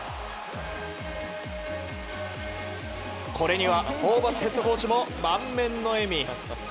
これにはホーバスヘッドコーチも満面の笑み。